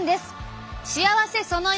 幸せその１。